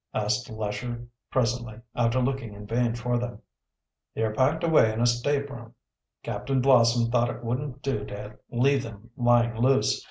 asked Lesher presently, after looking in vain for them. "They are packed away in a stateroom. Captain Blossom thought it wouldn't do to leave them lying loose.